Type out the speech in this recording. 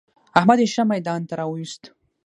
احمد يې ښه ميدان ته را ويوست.